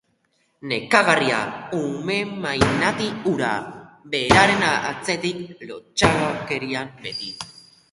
Nazkagarria, ume mainati hura, beraren atzetik latosokerian beti...